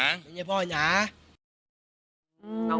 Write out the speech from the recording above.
อัญญาตุธิภาพ